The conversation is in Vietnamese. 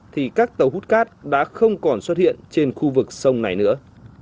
thì các tàu hút cát đã không còn xuất hiện trên khu vực sông này nữa